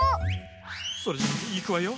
それじゃいくわよ。